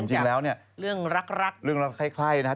จริงแล้วเนี่ยเรื่องรักเรื่องรักใครนะครับ